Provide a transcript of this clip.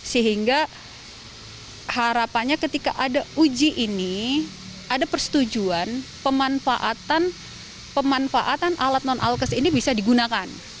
sehingga harapannya ketika ada uji ini ada persetujuan pemanfaatan alat non alkes ini bisa digunakan